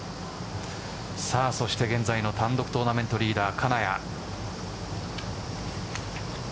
そして現在の単独トーナメントリーダー金谷。